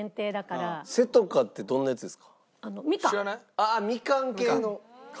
ああみかん系の。